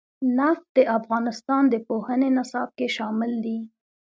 نفت د افغانستان د پوهنې نصاب کې شامل دي.